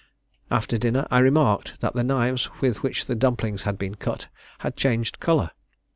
After dinner I remarked that the knives with which the dumplings had been cut had changed colour.